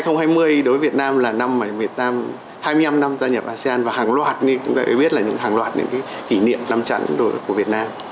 năm hai nghìn hai mươi đối với việt nam là năm hai mươi năm năm gia nhập asean và hàng loạt như chúng ta đã biết là hàng loạt những kỷ niệm năm trẳng của việt nam